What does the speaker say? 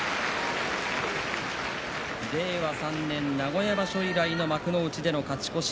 令和３年の名古屋場所以来の幕内での勝ち越し。